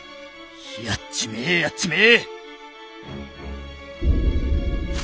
やっちめえやっちめえ！